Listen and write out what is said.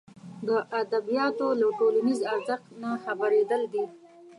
د ادبیاتو له ټولنیز ارزښت نه خبرېدل دي.